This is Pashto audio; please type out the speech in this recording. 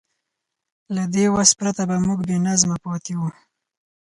له دې وس پرته به موږ بېنظمه پاتې وو.